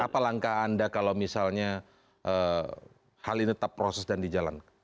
apa langkah anda kalau misalnya hal ini tetap proses dan dijalankan